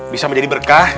bisa menjadi berkah